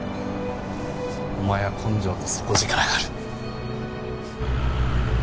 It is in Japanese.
お前は根性と底力がある。